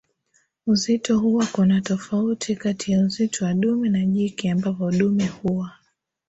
Uzito huwa kuna utofauti kati ya uzito wa dume na jike ambapo dume huwa